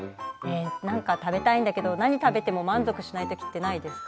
何か食べたいんだけれども何を食べても満足しないときってないですか？